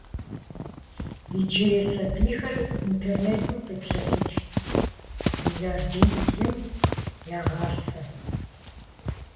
Иджырей сабийхэр интернетым къипсэлъыкӀ цӀыху мелардиблым ягъасэ.